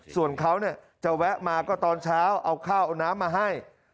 ส่วนเขาจะแวะมาก็ตอนเช้าเอาข้าวเอาน้ำมาให้